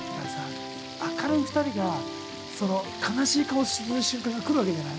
明るい２人がその悲しい顔する瞬間が来るわけじゃない。